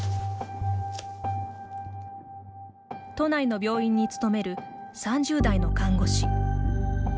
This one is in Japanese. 都内の病院に勤める３０代の看護師。